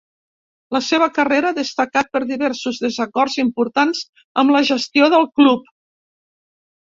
La seva carrera ha destacat per diversos desacords importants amb la gestió del club.